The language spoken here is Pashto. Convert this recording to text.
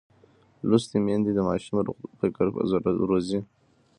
لوستې میندې د ماشوم روغ فکر روزي.